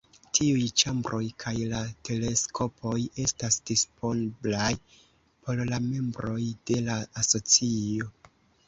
Tiuj ĉambroj kaj la teleskopoj estas disponblaj por la membroj de la asocio.